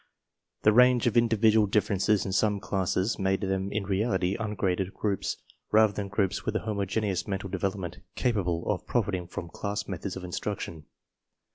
The range of individual differences in some classes made them in reality "ungraded groups" rather than groups with a homogeneous mental develop ment capable of profiting from class methods of in struction.